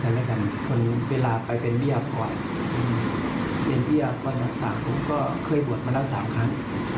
เพราะมันไม่มีอะไรไปกับเรามีแต่บุญกับบ่าย